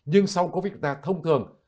nhưng sau covid ta thông thường